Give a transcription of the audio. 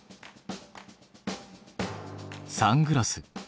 サングラス。